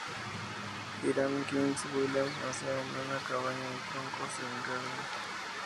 Hiram King Williams nació en una cabaña de troncos en Garland.